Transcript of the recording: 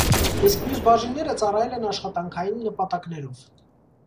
Իսկ մյուս բաժինները ծառայել են աշխատանքային նպատակներով։